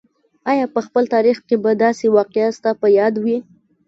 آیا په خپل تاریخ کې به داسې واقعه ستا په یاد وي.